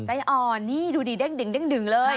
ไส้อ่อนนี่ดูดิเด้งเลย